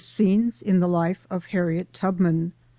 SCENES IN THE LIFE OF HARRIET TUBMAN.